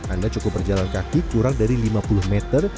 anda cukup berjalan kaki kurang dari lima puluh meter